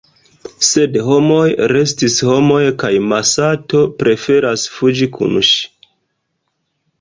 Sed “homoj restis homoj kaj Masato preferas fuĝi kun ŝi.